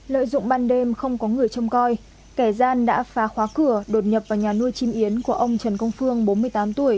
lợi dụng ban đêm không có người trông coi kẻ gian đã phá khóa cửa đột nhập vào nhà nuôi chim yến của ông trần công phương bốn mươi tám tuổi